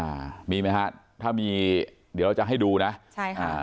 อ่ามีไหมฮะถ้ามีเดี๋ยวเราจะให้ดูนะใช่ค่ะ